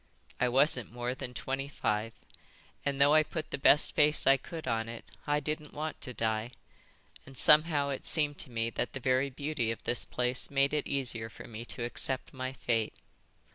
I wasn't more than twenty five, and though I put the best face I could on it, I didn't want to die. And somehow it seemed to me that the very beauty of this place made it easier for me to accept my fate.